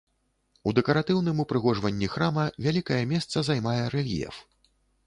У дэкаратыўным упрыгожванні храма вялікае месца займае рэльеф.